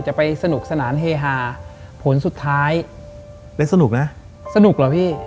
ไปสนุกสนานเฮฮาผลสุดท้ายเป็นสนุกนะสนุกเหรอพี่